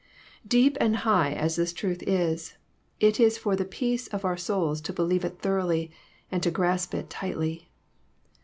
Deep and high as this truth is, it is for the peace of our souls to believe it thoroughly, and to grasp it tightly.